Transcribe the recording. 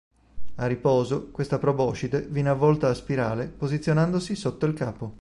A riposo, questa proboscide viene avvolta a spirale posizionandosi sotto il capo.